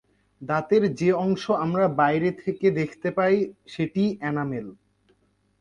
দাঁতের যে অংশ আমরা বাইরে থেকে দেখতে পাই সেটিই এনামেল।